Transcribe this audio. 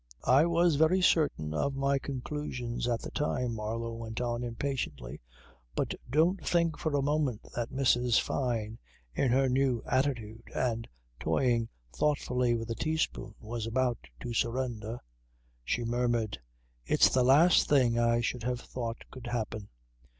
"I was very certain of my conclusions at the time," Marlow went on impatiently. "But don't think for a moment that Mrs. Fyne in her new attitude and toying thoughtfully with a teaspoon was about to surrender. She murmured: "It's the last thing I should have thought could happen."